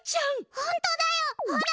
ほんとだよほら！